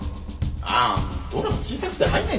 ああどれも小さくて入らないんだよ。